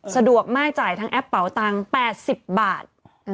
สะดวกมากจ่ายทั้งแอปเป่าตังค์๘๐บาท